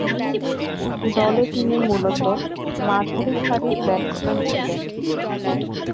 দলে তিনি মূলতঃ মাঝারিসারির ব্যাটসম্যান ছিলেন।